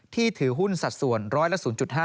ที่ถือหุ้นสัดส่วน๑๐๐และ๐๕